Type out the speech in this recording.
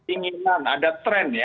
inginan ada trend ya